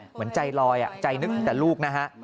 เหมือนใจลอยใจนึกถึงแต่ลูกนะฮะ